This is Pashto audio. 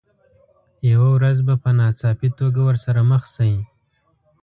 یوه ورځ به په ناڅاپي توګه ورسره مخ شئ.